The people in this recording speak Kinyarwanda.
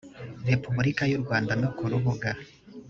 repubulika y u rwanda no ku rubuga